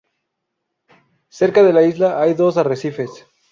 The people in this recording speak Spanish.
Cerca de la isla hay dos arrecifes.